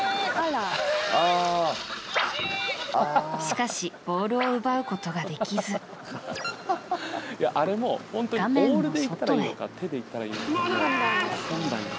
しかしボールを奪うことができず画面の外へ。